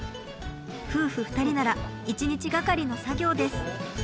夫婦２人なら１日がかりの作業です。